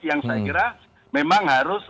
yang saya kira memang harus